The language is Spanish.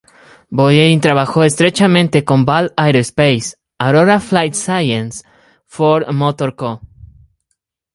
Boeing trabajó estrechamente con Ball Aerospace, Aurora Flight Sciences, Ford Motor Co.